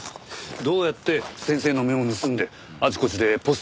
どうやって先生の目を盗んであちこちでポスト投函。